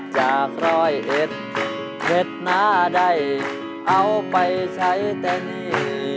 จากรอยเอ็ดเห็ดหน้าใดเอาไปใช้แต่นี้